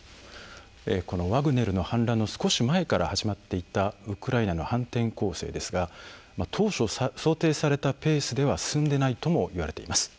ワグネルの反乱の少し前から始まっていたウクライナの反転攻勢ですが当初、想定されたペースでは進んでないともいわれています。